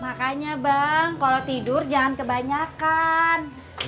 makanya bang kalau tidur jangan kebanyakan